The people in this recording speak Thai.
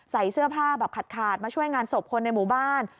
ใส่เสื้อผ้าแบบขาดมาช่วยงานศพคนในหมู่บ้าน